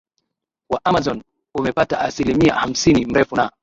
wa Amazon Umepata asilimia hamsini mrefu na